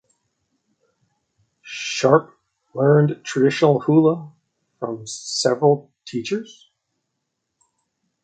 Sharpe learned traditional hula from several teachers.